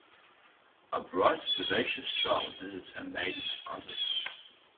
A bright, vivacious child visits her maiden aunts.